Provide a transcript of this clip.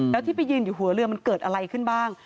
แล้วที่ไปยืนอยู่หัวเรือมันเกิดอะไรขึ้นบ้าง